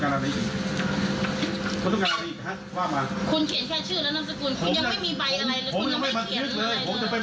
เขาไม่ได้เกี่ยวเลยสักสิทธิ์เดียว